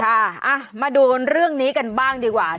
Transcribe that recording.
ค่ะมาดูเรื่องนี้กันบ้างดีกว่า